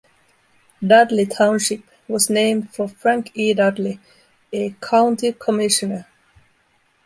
Dudley Township was named for Frank E. Dudley, a county commissioner.